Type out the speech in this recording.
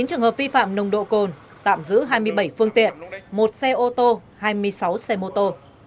một mươi trường hợp vi phạm nồng độ cồn tạm giữ hai mươi bảy phương tiện một xe ô tô hai mươi sáu xe mô tô